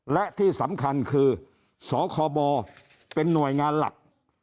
และที่สำคัญคือสคบเป็นหน่วยงานหลัก